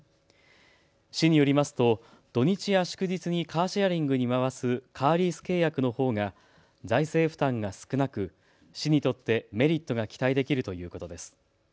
市によりますと土日や祝日にカーシェアリングに回すカーリース契約のほうが財政負担が少なく市にとってメリットが期待できるということです。